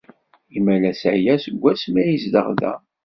Imalas aya seg wasmi ay yezdeɣ da.